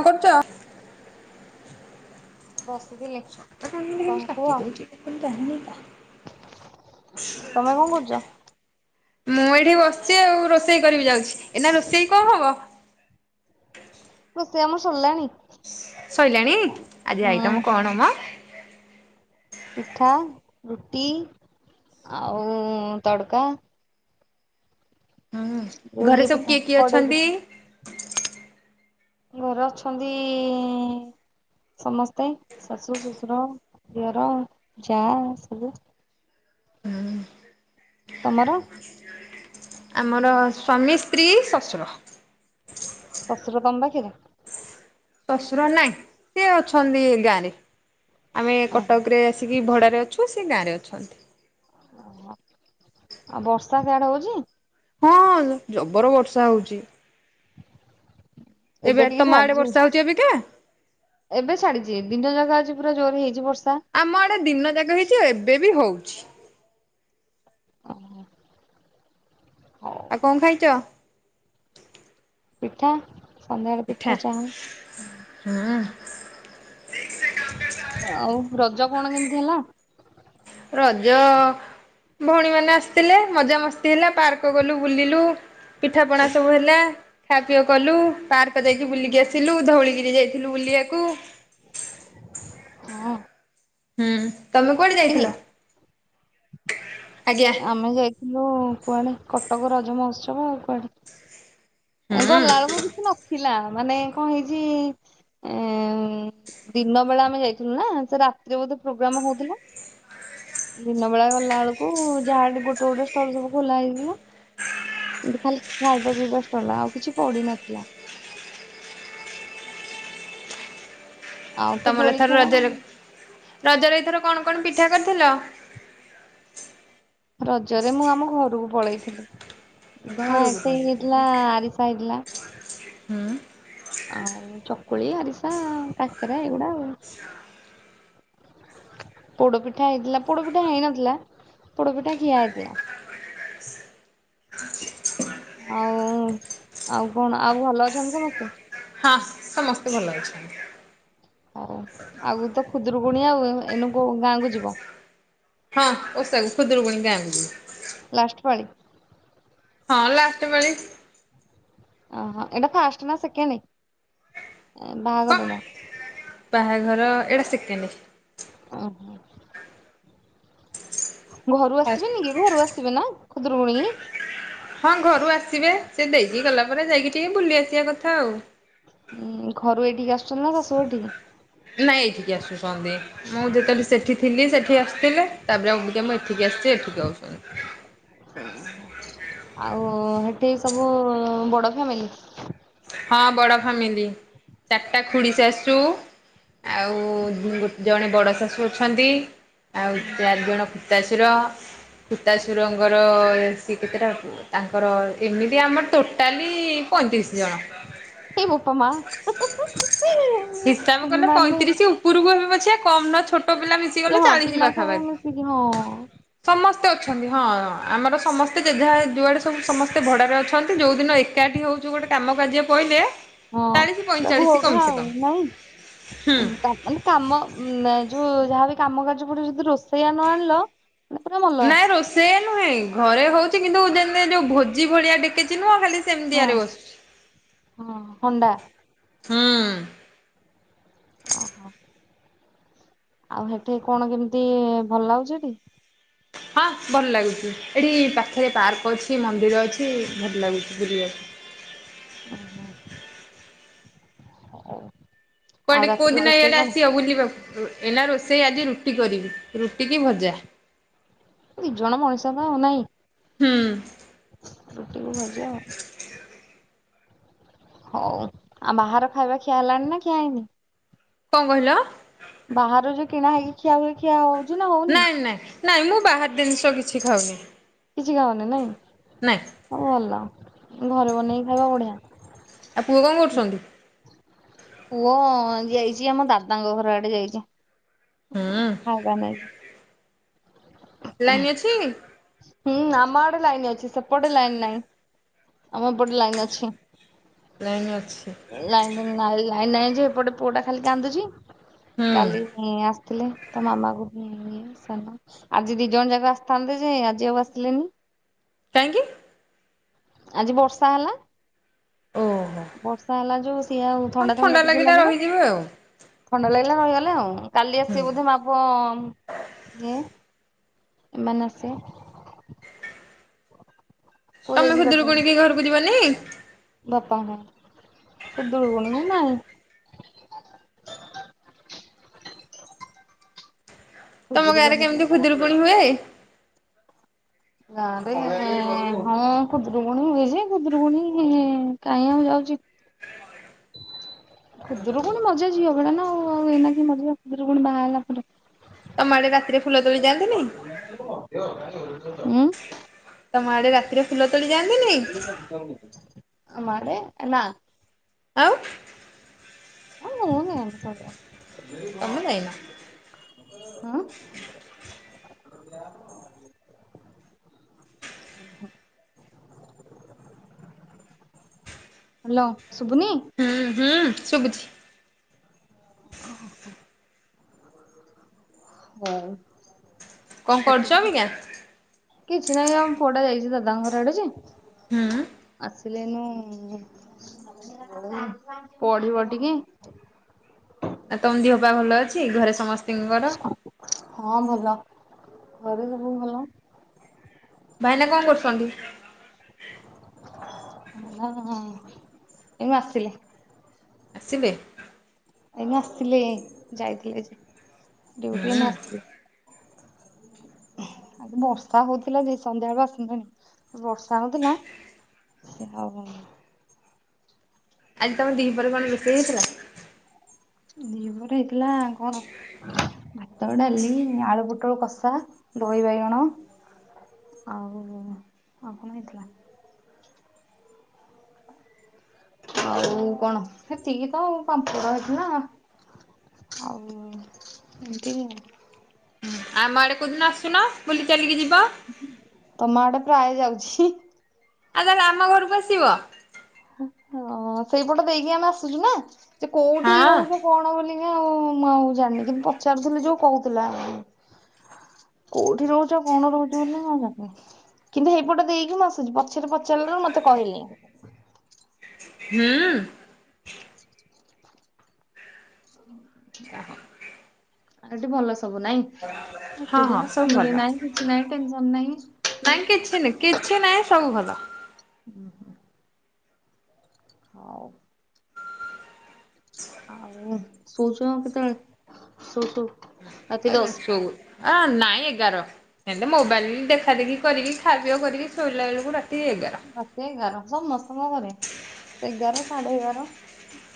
କଣ କରୁଛ? ବସିଥିଲି କଣ କୁହ [unintelligible] କେତେବେଳେ ତମେ କଣ କରୁଛ? ଯିବୁ? ମୁଁ ଏଇଠି ବସିଛି ଆଉ ରୋଷେଇ କରିବି ଯାଉଛି, ଏଇନା ରୋଷେଇ କଣ ହବ? ରୋଷେଇ ଆମର ସରିଲାଣି। ଶୋଇଲାଣି ଆଜି ହୁଁ ଆଇଟ ମୁଁ କଣ ମ? ପିଠା, ରୁଟି, ଆଉ ତଡ଼କା। ହୁଁ ଯୋଉ ଘରେ ଇଏ ସବୁ ପିଠା କିଏ କିଏ କଡେଇ ଅଛନ୍ତି? ପିଠା ଘୋରେ ଅଛନ୍ତି ସମସ୍ତେ ଶାଶୁ, ଶ୍ୱଶୁର, ଦିଅର, ଯା ସଲୁ ହୁଁ। ତମର? ଆମର ସ୍ଵାମୀ, ସ୍ତ୍ରୀ, ଶଶୁର। ଶଶୁର ତମ ପାଖରେ? ଶଶୁର ନାଇଁ ସିଏ ଅଛନ୍ତି ଏ ଗାଁ ରେ। ଆମେ ଓହୋ କଟକ ରେ ଆସିକି ଭଡ଼ାରେ ଅଛୁ ସେ ଗାଁ ରେ ଅଛନ୍ତି। ଆଉ ବର୍ଷା ସେଆଡେ ହୋଉଚି? ହଁ ଜବର ବର୍ଷା ହୋଉଚି। ଏବେ ଟିକେ ତମ ଆଡ଼େ ଛାଡିଛି। ବର୍ଷା ହୋଉଚି ଏ ବିିକା? ଏବେ ଛାଡ଼ିଚି ଦିନ ଜାକ ଅଛି ପୁରା ଜୋରରେ ହେଇଚି ବର୍ଷା। ଆମ ଆଡ଼େ ଦିନ ଯାକ ହେଇଚି ଆଉ ଏବେ ବି ହୋଉଚି। ଓହୋ। ଆଉ କଣ ଖାଇଚ? ପିଠା ସନ୍ଧ୍ୟାବେଳେ ପିଠା ଚାହା ହଁ ଆଁ। ଆଉ ରଜ କଣ କେମିତି ହେଲା? ରଜ ଭଉଣୀ ମାନେ ଆସିଥିଲେ ମଜା ମସ୍ତି ହେଲା ପାର୍କ ଗଲୁ ବୁଲିଲୁ। ପିଠାପଣା ସବୁ ହେଲା। ଖା ପିଅ କଲୁ ପାର୍କ ଯାଇକି ବୁଲିକି ଆସିଲୁ ଧଉଳିଗିରି ଯାଇଥିଲୁ ବୁଲିବାକୁ। ହଁ। ହୁଁ ତମେ କୁଆଡ଼େ କିନି ଯାଇଥିଲ? ଆଜ୍ଞା ଆମେ ଯାଇଥିଲୁ କୁଆଡ଼େ କଟକ ରଜ ମହୋତ୍ସବ ଆଉ କୁଆଡ଼େ। ହୁଁ ଗଲା ବେଳକୁ କିଛି ନଥିଲା ମାନେ କଣ ହେଇଚି ଏଇଁ ଦିନ ବେଳେ ଆମେ ଯାଇଥିଲୁ ନା ସେ ରାତିରେ ବୋଧେ ପ୍ରୋଗ୍ରାମ ହୋଉଥିଲା। ଦିନବେଳା ଗଲା ବେଳକୁ ଯାହାେ ଗୋଟେ ଗୋଟେ ଷ୍ଟଲ ସବୁ ଖୋଲା ହେଇଥିଲା। ଏତି ଖାଲି ଖାଇବା ପିଇବାଷ୍ଟଲା ଆଉ କିଛି ପଡିନଥିଲା। ଆଉ ତ ତମର ଦୋଳି ଏଥର ଖେଳ ଆଉ। ରଜରେ ରଜରେ ଏଇଥର କଣ କଣ ପିଠା କରିଥିଲ? ରଜରେ ମୁଁ ଆମ ଘରକୁ ପଳେଇଥିଲି, ପିଠା ଘରକୁ ଏତେ ହେଇ କହିବୁ। ହେଇଥିଲା ଆରିସା ହେଇଥିଲା। ହଁ। ଆଉ ଚକୁଳି ଆରିସା କାକେରା ଏଗୁଡା ଆଉ। ପୋଡପିଠା ହେଇଥିଲା ପୋଡପିଠା ହେଇନଥିଲା ପୋଡପିଠା ଖିଆ ହେଇଥିଲା। ଆଉ ଆଉ କଣ ଆଉ ଭଲ ଅଛନ୍ତି ସମସ୍ତେ। ହଁ ସମସ୍ତେ ଭଲ ଅଛନ୍ତି। ଆଉ ଆଗୁକୁ ଖୁଦୁରୁକୁଣୀ ଆଉ ଏଉ ଏଇନୁ କୋଉ ଗାଁକୁ ଯିବ। ହଁ ଓଷାକୁୁ ଖୁଦୁରକୁଣୀ ଗାଁକୁ ଯିବି। ଲାଷ୍ଟ ପାଳି। ହଁ ଲାଷ୍ଟେ ପାଳି। ଅଃ ଏଡ଼ା ଫାଷ୍ଟ ନା ସେକେଣ୍ଡ ଏଁ କଣ ବାହାଘରର। ବାହାଘର ଏଇଡ଼ା ସେକେଣ୍ଡେ। ଅଃ। ଘରୁ ଫାଷ୍ଟ ଆସିବେନି କି ଘରୁ ଆସିବେ ନା ଖୁଦୁରୁକୁୁଣୀକି। ହଁ ଘରୁ ଆସିବେ ସେ ଦେଇକି ଗଲା ପରେ ଯାଇକି ଟିକେ ବୁଲି ଆସିବା କଥା ଆଉ। ହୁଁ ଘରୁ ଏଇଠିକି ଆସୁଛନ୍ତି ନା ଶାଶୁ ଘର୍ ଠିକି। ନାଇଁ ଏଇଠିକି ଆସୁଛନ୍ତି। ମୁଁ ଯେତେ [unintelligible] ସେଠି ଥିଲି ସେଠି ଆସିଥିଲେ ତାପରେ ଆଉ ଅବିକା ମୁଁ ଏଠିକି ଆସିଛି ଏଠିକି ଆଉଛନ୍ତି। [unintelligible] ଆଉ ହେଟି ସବୁ ବଡ ଫ୍ୟାମିଲି। ହଁ ବଡ଼ ଫାମିଲି ଚାରଟା ଖୁଡ଼ି ଶାଶୂ। ଆଉ ଗୋ ଜଣେ ବଡ ଶାଶୁ ଅଛନ୍ତି ଆଉ ଚାରି ଜଣ ତାଶୁର ଖୁତାଶୁରଙ୍କର ସିଏ କେତେଟା ତାଙ୍କର ଏମିତି ଆମର ଟୋଟାଲି ପଇଁତିରିଶ ଜଣ। ଏଇ ବୋପା ମା ହିସାବ କଲେ ମାନେ ପଇଁତିରିଶି ଉପୁରୁକୁ ହେବେ ପଛେ କମ୍ ନା ଛୋଟୋ ପିଲା ମିଶି ଯେ ହଁ ପିଲା ସବୁ ମିଶିକି ହଁ। ସମସ୍ତେ ଅଛନ୍ତି ହଁ ଆମର ସମସ୍ତେ ଯେଝା ଯୁଆଡ଼େ ସବୁ ସମସ୍ତେ ଭଡ଼ାରେ ଅଛନ୍ତି ଯୋଉ ଦିନ ଏକାଠି ହୋଉ ଚୁ ଗୋଟେ କାମ କାର୍ଯ୍ୟ ପାଇଲେ। ହଁ ତାକୁ [unintelligible] ନାଇଁ ହୁଁ। ଉଁ ତା ମାନେ କାମ ଉଁ ଯୋଉ ଯାହାବି କାମ କାର୍ଯ୍ୟ ପଡ଼େ ଯଦି ରୋଷ ସେଇଆ ନ ଆଣିଲ ମାନେ ପୁରା ମଲ। ସେୟା ନୁହେଁ ଘରେ ହୋଉଚି କିନ୍ତୁ [unintelligible] ଯୋଉ ଭୋଜି ଭଳିଆ ଡେକେଚି ନୁହଁ ଖାଲି ହଁ ସେମିତିଆରେ ବସୁ ହଁ ହଣ୍ଡା ହୁଁ। ଅଃ ଆଉ ହେଠି କଣ କେମିତି ଭଲ ଲାଗୁଛିଟି। ହଁ ଭଲ ଲାଗୁଛି ଏଠି ପାଖେରେ ପାର୍କ ଅଛି ମନ୍ଦିର ଅଛି ଭଲ ଲାଗୁଛି ବୁଲିବାକୁ। ଉଁହୁଁ। [unintelligible] ଆଉ କୁଆଡେ କୋଉ ରାତିରେ ଦିନ ରୋଷେଇ ଏୟାଡେ କଣ ଆସିବ ବୁଲିବା ଏଇନା ରୋଷେଇ ଆଜି ରୁଟି କରିବି ରୁଟି କି ଭଜା। ଦି ଜଣ ମଣିଷ ତ ଆଉ ନାଇଁ ହୁଁ ରୁଟିକୁ ଭଜା ଆଉ। ହଉ ଆଉ ବାହାର ଖାଇବା ଖିଆ ହେଲାଣି ନା ଖିଆ ହେଇନି। କଁ କହିଲ। ବାହାରରେ କିଣା ହେଇକି। [unintelligible] ହଉନି? ନାଇଁ ନାଇଁ ନାଇଁ ମୁଁ ବାହାର ଦିନ୍ସ କିଛି ଖାଉନି। କିଛି ଖାଅନି ନାଇଁ ନାଇଁ ହୋଉ ଭଲ ଘରେ ବନେଇକି ଖାଇବ ବଢିଆ। ଆଉ ପୁଅ କଁ କରୁଛନ୍ତି। ପୁଅ ଯାଇଚି ଆମ ଦାଦାଙ୍କ ଘର ଆଡେ ଯାଇଚି ହୁଁ [unintelligible] ନେଇକି। ଲାଇନ୍ ଅଛି। ହୁଁ ଆମ ଆଡେ ଲାଇନ୍ ଅଛି ସେପଟେ ଲାଇନ୍ ନାଇଁ ଆମ ଏପଟେ ଲାଇନ୍ ଅଛି। ଲାଇନ୍ ଅଛି। [unintelligible] ଲାଇନ୍ ନାଇଁ ଯେ ଏପଟେ ପୁଅ ଟା ଖାଲି କାନ୍ଦୁଚି ହୁଁ କାଲି ଇଁ ଆସ୍ ଥିଲେ ତା ମାମା କୁ [unintelligible] ସାନ ଆଜି ଦି ଜଣ ଯାକ ଆସିଥାନ୍ତେ ଯେ ଆଜି ଆଉ ଆସିଲେନି। କାହିଁକି ଆଜି ବର୍ଷା ହେଲା ଓହୋ ବର୍ଷା ହେଲା ଯୋଉ ସିଏ ଆଉ ହଁ ଥଣ୍ଡା ଥଣ୍ଡା ଟିକେ ଲାଗିଲା ରହିଯିବେ ଆଉ ଥଣ୍ଡା ଲାଗିଲା ରହିଗଲେ ଆଉ କାଲି ହୁଁ ଆସିବେ ବୋଧେ ମା ପୁଅ ଏମାନେ ଆସିବେ ପୁଅ ତମେ ଯାଇଛି ଦାଦା ଖୁଦୁରୁକୁଣୀକି ଘରକୁ ଯିବନି ବାପା ମା ଖୁଦୁରୁକୁଣୀକୁ ନାହିଁ ତମ ଗାଁରେ ଖୁଦୁରୁକୁଣୀ କୁ କେମିତି ଖୁଦୁରୁକୁଣୀ ହୁଏ ଗାଁରେ ହଁ ଖୁଦରୁକୁୁଣୀ ହୁଏ ଯେ ଖୁଦରୁକୁୁଣୀ କାହିଁ ଆଉ ଯାଉଛି ଖୁଦୁରୁକୁଣୀ ମଜା ଝିଅ ବେଳେ ନା ଆଉ ଏନାକି କି ମଜା ଖୁଦୁରୁକୁଣୀ ବାହାହେବାପରେ ତମ ଆଡେ ରାତିରେ ଫୁଲ ତୋଳି ଯାଆନ୍ତିନି ଉୁଁ ତମ ଆଡେ ରାତିରେ ଫୁଲ ତୋଳି ଯାଆନ୍ତିନି ଆମଆଢେ ନାଁ ଆଉ ଆମୁଁ ତମେ ଯାଇନ ନିଏନି ସବୁବେଳେ ହ ଓ ହୋ ହାଲେ ଶୁଭୁନି ହୁଁ ହୁଁ ଶୁଭୁଛି ଓହୋ ହୋ କଣ କରୁଛ ଅବିକା? ହଉ କିଛି ନାହିଁ ଆମ ପୁଅଟା ଯାଇଛି ଦାଦାଙ୍କ ଘର ଆଡେଯେ ହୁଁ ଆସିଲେ ଏଇନୁ ପଢିବ ଟିକେ ଆଉ ତମ ଦିହପା ଭଲ ଅଛି ଘରେ ସମସ୍ତେ ହଁ ଭଲ ଘରେ ସବୁ ଭଲ ଭାଇନା କଣ କରୁଛନ୍ତି ହଁ ଏ ମୁଁ ଆସିଲି ଆସିଲେ ଏଇନା ଆସିଲେ ଯାଇଥିଲେ ଡ଼ିଇଟି ଏଇନୁ ଆସିଲେ ଆଜି ବର୍ଷା ହଉଥିଲା ଯେ ସନ୍ଧ୍ୟାବେଳୁ ଆସନ୍ତେଣି ବର୍ଷା ହଉଥିଲା ସେ ଆଉ ଆଜି ତମର ଦିପହରେ କଣ ରେଷେଇ ହେଇଥିଲା ଦିପହରେ ହେଇଥିଲା କଣ ଭାତ ଡାଲି ଆଳୁ ପୁଟଳ କଷା ଦହି ବାଇଗଣ ଆଉ ଆଉ କଣ ହେଇଥିଲା ଆଉ କଣ ସେତିକି ତ ପାମ୍ପଡ ହେଇଥିଲା ଆଉ ଏମତି ଆଉ ଆମ ଆଡ଼େ କେଉଁଦିନ ଆସୁନ ବୁଲି ଚାଲିକି ଯିବ ତମ ଆଡେ ପ୍ରାୟ ଯାଉଛି ଆଉ ତାହେଲେ ଆମ ଘରକୁ ଆସିବ ହଁ ସେଇପଟ ଦେଇକି ଆମେ ଆସୁଛୁ ନା ସେ କୋଉଠି ହଁ ରହୁଛ କଣ ବୋଲି ଆଉ ମୁଁ ଆଉ ଜାଣିନି କିନ୍ତୁ ପଚାରୁଥିଲି ଯୋଉ କହୁଥିଲା କୋଉଠି ରହୁଛ କଣ ରହୁଛ ବୋଲି ମୁଁ ଆଉ ଯାଣିନି କିନ୍ତୁ ହେଇପଟେ ଦେଇକି ମୁଁ ଆସୁଛି ପରେ ପଚାରିଲାରୁ ମତେ କହିଲେ। [unintelligible] ଆ ଏଠି ଭଲ ସବୁ ନାଇଁ। ହଁ ହଁ ଏକୁିଟିଆ ସବୁ ଭଲ। ଫ୍ୟାମିଳି ନାଇଁ କିଛି ନାଇଁ ଟେନସନ ନାହିଁ। ନାଇଁ କିଛି ନହି କିଛି ନାଇଁ ସବୁ ଭଲ। ହୁଁ ହୁଁ। ହଉ। ଆଉ ଶୋଉଛ କେତେବେଳେ ଶୋଉ ଶୋଉ ରାତି ଦଶ ସବୁ ନାଇଁ ଏଗାର ହେଲେ ମୋବାଇଲ ଦେଖା ଦେଖି କରିକି। ଖାଦ୍ୟ କରିକି ଶୋଇଲା ବେଳକୁ ରାତି ଏଗାର। ସତେ ଏଗାର ସମସ୍ତଙ୍କ ଘରେ ସେ ଏଗାର ସାଢେ ଏଗାର।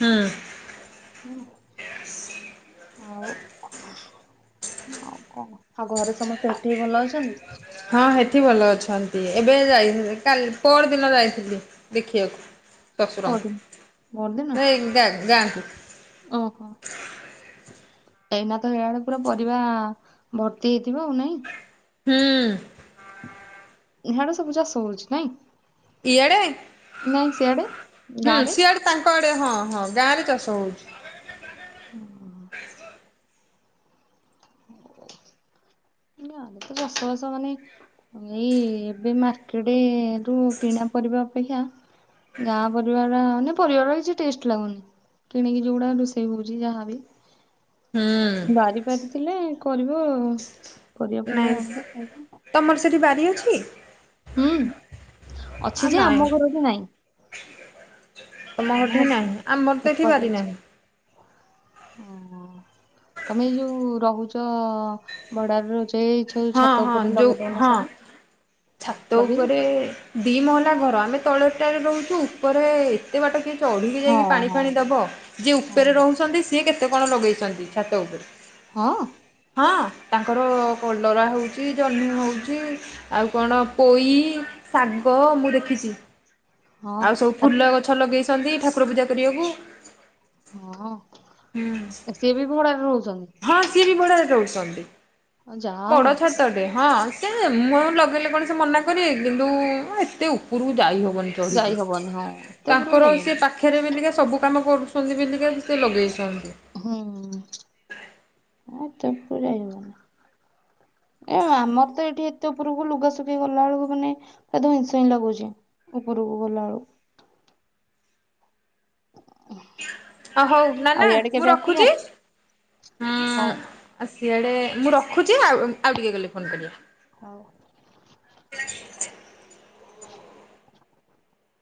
ହୁଁ। ହୁଁ ଆଉ। ଆଉ କଣ ଆଉ ଘରେ ସମସ୍ତେ ଏଠି ହି ଭଲ ଅଛନ୍ତି? ହଁ ସେଠି ଭଲ ଅଛନ୍ତି ଏବେ ଯାଇ କାଲି ପହର ଦିନ ଯାଇଥିଲି। ଦେଖିବାକୁ ଅଛନ୍ତି? ଶଶୁରଙ୍କୁ ନାହିଁ ଗାଁ କୁ। ଓଃ ହୋ। ଏଇନା ତ ହେଲା ବେଳେ ପୁରା ପରିବା ଭର୍ତ୍ତି ହେଇଥିବ ଆଉ ନାଇଁ। ହୁଁ। ଇଆଡେ ସବୁ ଚାଷ ହୋଉଛି ନାଇଁ। ଇଆଡେ ନାଇଁ ସିଆଡେ ହୁଁ ଗାଁରେ ସିଆଡେ ତାଙ୍କ ଆଡେ ହଁ ହଁ ଗାଁ ରେ ଚାଷ ହଉଛି। ଓଃ ହୋ। ହେଲେ ତ ଚାଷବାଷ ମାନେ। ଏଇ ଏବେ ମାର୍କେଟ ରୁ କିଣା ପରିବା ଅପେକ୍ଷା। ଗାଁ ପରିବାର ମାନେ ପରିବା ଗୁଡା କିଛି ଟେଷ୍ଟ ଲାଗୁନି। କିଣିକି ଯେଉଁଗଡ଼ା ରୋଷେଇ ହେଉଛି ଯାହାବି। ହୁଁ ବାରି ପାରିଥିଲେ କରିବ ପରିବା ପରିବା ନାଇଁ ଆଣିବ ଖାଇବ। ତମର ସେଇଠି ବାରି ଅଛି? ହୁଁ ଆ ଅଛି ଯେ ନାଇଁ ଆମ ଘର କି ନାଇଁ। ତମ ଆମ ଘରଠି ଘରେ ନାହିଁ ଆମର ତ ଏଠି ସେପଟରେ ବାରି ଅଛି। ନାହିଁ। ହ ତମେ ଏଇ ଯୋଉ ରହୁଛ ଭଡାରେ ର ହଁ ହଁ ଯୋଉ ହଁ ଛାତ ଲଗେଇଛ? ଉପରେ। ଦିଇ ମହଲା ଘର ଆମେ ତଳେ ଟାରେ ରହୁଛୁ ଉପରେ ଏ ବାଟ କିଏ ଚଢିକି ହଁ ଯାଇକି ପାଣି ହଁ ଫାଣି ଦବ ଯିଏ ଉପରେ ହଁ। ରହୁଛନ୍ତି ସିଏ କେତେ କଣ ଲଗେଇଛନ୍ତି ଛାତ ଉପରେ। ହଁ। ହଁ ତାଙ୍କର କଲରା ହଉଛି ଜହ୍ନି ହଉଛି ଆଉ କଣ ପୋଇ ଶାଗ ମୁଁ ଦେଖିଛି। ହଁ ଆଉ ସବୁ ଆ- ଫୁଲ ଗଛ ଲଗେଇଛନ୍ତି ଠାକୁର ପୂଜା କରିବାକୁ। ହଁ ସିଏ ବି ଭଡାରେ ରହୁଛନ୍ତି। ହଁ ସିଏ ବି ଭଢାରେ ରୋହୁଛନ୍ତି ହଁ ଯାହା ହଉ ବଡ ଛ ବଡ ଛାତ ଟେ ହଁ ସେ ମୁଁ ଲଗେଇଲେ କଣ ସେ ମନା କରିବ କିନ୍ତୁ ଏତେ ଉପରକୁ ଯାଇହବନି। ଯାଇ ଚଡ଼ିକି ହବନି ହଁ ଏତେ ଉପରକୁ ଯାଇ ତାଙ୍କର ହବନି ସେ ପାଖ ପାଖରେ ବିଲିକା ସବୁ କାମ କରୁଛନ୍ତି ବିଲିକା ସେ ଲଗେଇଛନ୍ତି। ହୁଁ ଆ ଏତେ ଉପରକୁ ଯାଇହବନି। ଏ ଆମର ତ ଏଠି ଏତେ ଉପରକୁ ଲୁଗାସୁଖେଇ ଗଲା ବେଳକୁ ମାନେ ଧଇଁସଇଁ ଲାଗୁଛି ଉପରକୁ ଗଲା ବେଳକୁ। ଅ ହଉ ନା ଆଉ ନା ଇଆଡେ ମୁଁ କେବେ ଆସିବ? ରଖୁଛି ହଁ। ହଉ ଆଉ ସିଆଡ଼େ ମୁଁ ରଖୁଛି ଆଉ ଆଉ ଟିକେ ଗଲେ ଫୋନ୍ କରିବି। ହଉ। [inaudible] [inaudible]